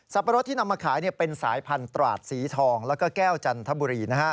ปะรดที่นำมาขายเป็นสายพันธุ์ตราดสีทองแล้วก็แก้วจันทบุรี